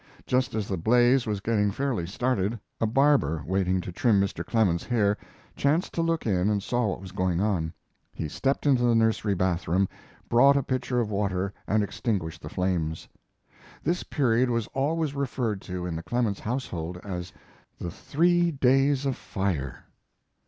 Just as the blaze was getting fairly started a barber, waiting to trim Mr. Clemens's hair, chanced to look in and saw what was going on. He stepped into the nursery bath room, brought a pitcher of water and extinguished the flames. This period was always referred to in the Clemens household as the "three days of fire."